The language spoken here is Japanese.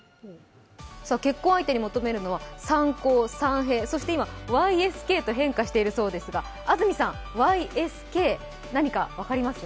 結婚相手にもめるのは、３高、３平、そして今、ＹＳＫへと変化しているそうですが、安住さん、ＹＳＫ、何か分かります？